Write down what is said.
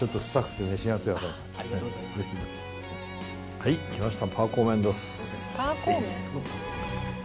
はいきました。